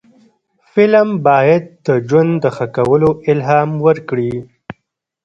فلم باید د ژوند د ښه کولو الهام ورکړي